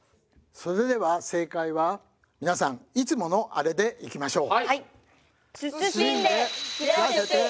それでは正解は皆さんいつものアレでいきましょう。